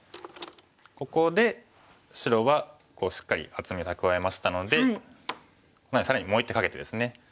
ここで白はしっかり厚み蓄えましたのでなので更にもう１手かけてですね